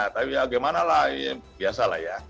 tapi ya gimana lah biasa lah ya